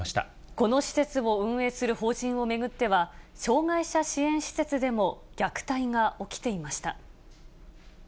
この施設を運営する法人を巡っては、障がい者支援施設でも虐待が起きていました。